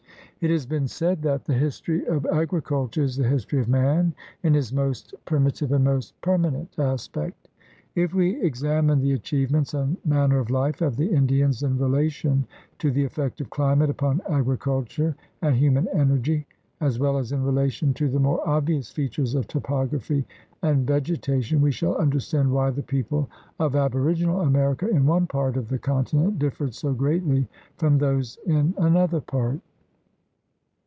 It has been said that "the history of agriculture is the history of man in his most primi THE RED MAN IN AMERICA 125 tive and most permanent aspect." If we examine the achievements and manner of hfe of the Indians in relation to the effect of chmate upon agricultm e and human energ5^ as well as in relation to the more obvious features of topography and vegeta tion, we shall understand why the people of ab original America in one part of the continent differed so greath^ from those in another part.